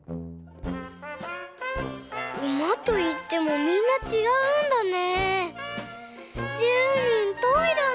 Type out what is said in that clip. うまといってもみんなちがうんだね。